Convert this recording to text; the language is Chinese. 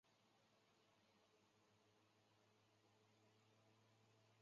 莫洛季科沃农村居民点是俄罗斯联邦布良斯克州姆格林区所属的一个农村居民点。